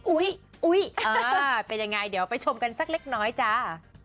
อุ๊ยอุ๊ยเป็นยังไงเดี๋ยวไปชมกันสักเล็กน้อยจ้า